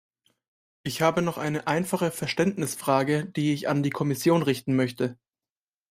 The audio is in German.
Ich habe noch eine einfache Verständnisfrage, die ich an die Kommission richten möchte.